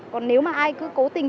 còn nếu mà ai cứ cố tình